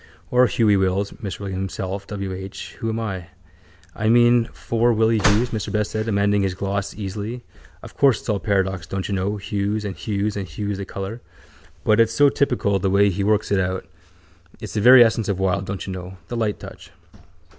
Or Hughie Wills? Mr William Himself. W. H.: who am I? —I mean, for Willie Hughes, Mr Best said, amending his gloss easily. Of course it's all paradox, don't you know, Hughes and hews and hues, the colour, but it's so typical the way he works it out. It's the very essence of Wilde, don't you know. The light touch.